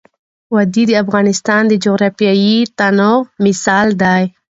وادي د افغانستان د جغرافیوي تنوع مثال دی.